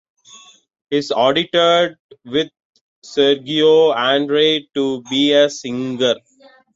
She auditioned with Sergio Andrade to be a singer.